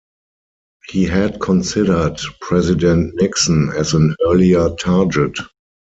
He had considered President Nixon as an earlier target.